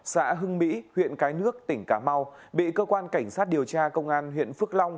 xã hưng mỹ huyện cái nước tỉnh cà mau bị cơ quan cảnh sát điều tra công an huyện phước long